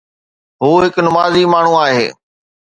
هو هڪ نمازي ماڻهو آهي